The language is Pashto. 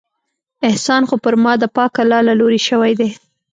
احسان خو پر ما د پاک الله له لورې شوى دى.